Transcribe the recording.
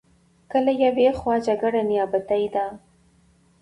که له یوې خوا جګړه نیابتي ده.